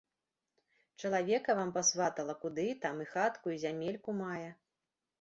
Чалавека вам пасватала, куды там, і хатку і зямельку мае.